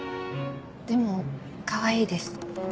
でもかわいいです。